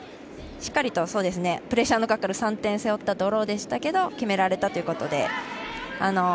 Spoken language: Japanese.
しっかりとプレッシャーのかかる３点を背負ったドローでしたけど決められたということで。